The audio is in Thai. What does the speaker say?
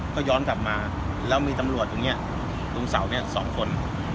ก็ย้อนกลับมาแล้วมีตัมเรวดตรงเนี้ยรุกสาวเนี้ยสองคน